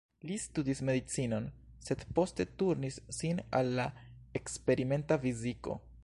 Li studis medicinon, sed poste turnis sin al la eksperimenta fiziko.